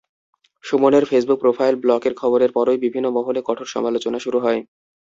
সুমনের Facebook profile ব্লকের খবরের পরই বিভিন্ন মহলে কঠোর সমালোচনা শুরু হয়।